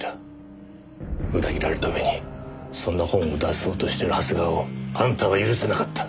裏切られた上にそんな本を出そうとしている長谷川をあんたは許せなかった。